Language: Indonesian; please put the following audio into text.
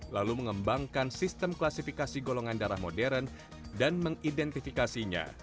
lalu mengembangkan sistem klasifikasi golongan darah modern dan mengidentifikasinya